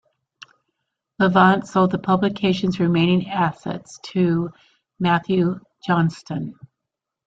Levant sold the publication's remaining assets to Matthew Johnston.